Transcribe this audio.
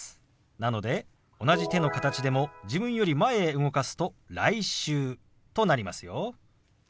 なので同じ手の形でも自分より前へ動かすと「来週」となりますよ。